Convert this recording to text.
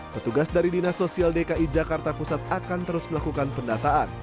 petugas dari dinas sosial dki jakarta pusat akan terus melakukan pendataan